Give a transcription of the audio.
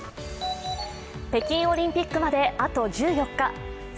北京オリンピックまであと１４日。